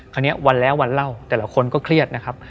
วันแล้ววันเล่าแต่ละคนก็เครียดนะครับ